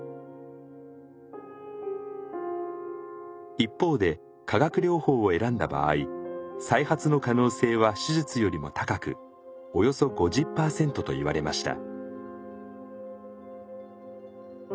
一方で化学療法を選んだ場合再発の可能性は手術よりも高くおよそ５０％と言われました。